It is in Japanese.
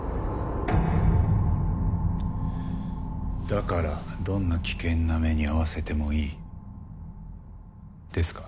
だからどんな危険な目に遭わせてもいいですか？